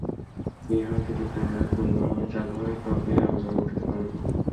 ইহা যদি পুনরায় পুরাপুরিভাবে চালু হয়, তবেই আমরা উঠিতে পারিব।